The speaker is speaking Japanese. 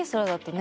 ね